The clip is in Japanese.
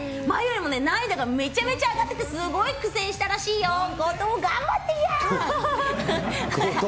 前よりも難易度がめちゃめちゃ上がっててすごい苦戦したらしいよ。